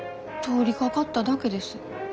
通りかかっただけです。